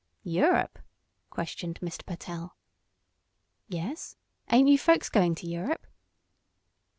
"Europe?" questioned Mr. Pertell. "Yes; ain't you folks going to Europe?"